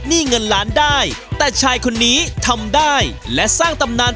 เงินล้านได้แต่ชายคนนี้ทำได้และสร้างตำนาน